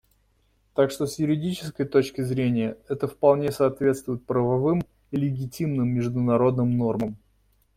Так что с юридической точки зрения, это вполне соответствует правовым и легитимным международным нормам.